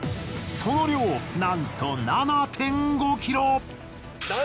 その量なんと７．５ｋｇ。